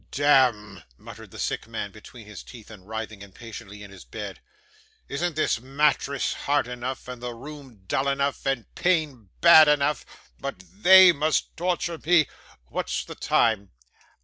'Damn!' muttered the sick man between his teeth, and writhing impatiently in his bed. 'Isn't this mattress hard enough, and the room dull enough, and pain bad enough, but THEY must torture me? What's the time?